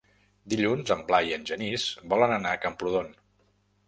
Dilluns en Blai i en Genís volen anar a Camprodon.